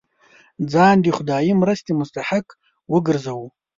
ځان د خدايي مرستې مستحق وګرځوو.